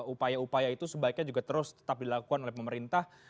upaya upaya itu sebaiknya juga terus tetap dilakukan oleh pemerintah